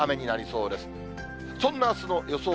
そんなあすの予想